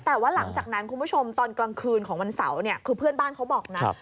แต่ว่าหลังจากนั้นคุณผู้ชมตอนกลางคืนของวันเสาร์เนี่ยคือเพื่อนบ้านเขาบอกนะ